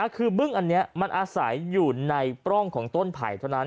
คือบึ้งอันนี้มันอาศัยอยู่ในปล้องของต้นไผ่เท่านั้น